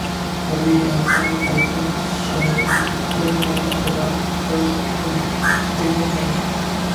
کبھی اکا دکا شیلٹر ہوم بنا کر کہتے ہیں۔